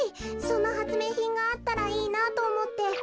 そんなはつめいひんがあったらいいなとおもって。